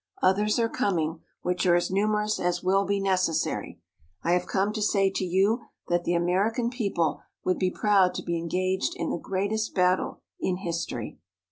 Others are coming, which are as numerous as will be necessary. I have come to say to you that the American people would be proud to be engaged in the greatest battle in history."